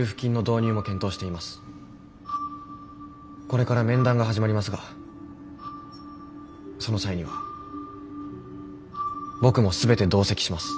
これから面談が始まりますがその際には僕も全て同席します。